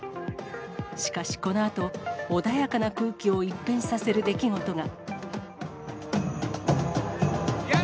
しかしこのあと、穏やかな空気を一変させる出来事が。